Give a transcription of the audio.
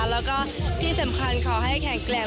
แล้วก็ที่สำคัญขอให้แข็งแกร่ง